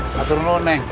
katur dulu neng